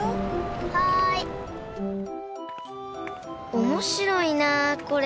おもしろいなこれ。